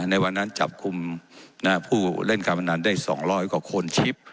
ในวันนั้นจับกลุ่มนะฮะผู้เล่นการบันนั้นได้สองร้อยกว่าคนชิบ